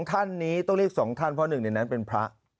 ท่านนี้ต้องเรียก๒ท่านเพราะหนึ่งในนั้นเป็นพระ